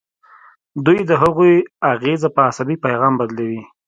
دوی د هغوی اغیزه په عصبي پیغام بدلوي.